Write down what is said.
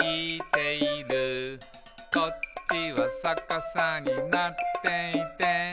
「こっちはさかさになっていて」